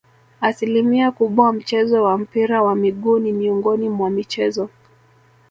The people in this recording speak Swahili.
Asilimia kubwa mchezo wa mpira wa miguu ni miongoni mwa michezo